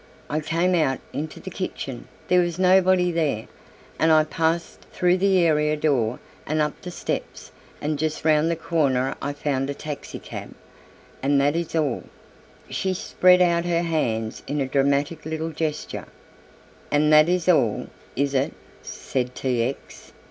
"I came out into the kitchen; there was nobody there, and I passed through the area door and up the steps and just round the corner I found a taxicab, and that is all." She spread out her hands in a dramatic little gesture. "And that is all, is it?" said T. X.